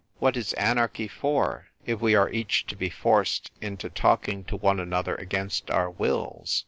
" What is anarchy for, if we are each to be forced into talking to one another against our wills